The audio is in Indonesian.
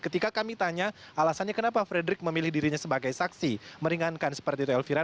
ketika kami tanya alasannya kenapa frederick memilih dirinya sebagai saksi meringankan seperti itu elvira